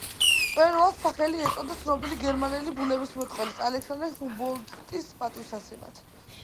მწვერვალს სახელი ეწოდა ცნობილი გერმანელი ბუნებისმეტყველის ალექსანდერ ჰუმბოლდტის პატივსაცემად.